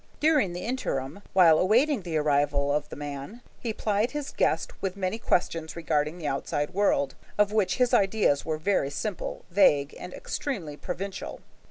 During the interim, while awaiting the arrival of the man, he plied his guest with many questions regarding the outside world, of which his ideas were very simple, vague, and extremely provincial.